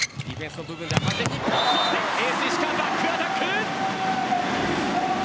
日本、エース石川バックアタック！